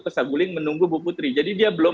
ke saguling menunggu bu putri jadi dia belum